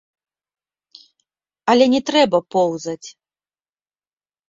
Але не трэба поўзаць.